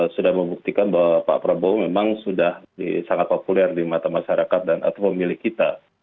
sudah membuktikan bahwa pak prabowo memang sudah sangat populer di mata masyarakat dan atau pemilik kita